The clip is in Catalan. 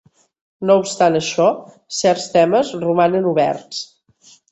No obstant això certs temes romanen oberts.